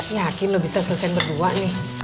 yakin lo bisa selesai berdua nih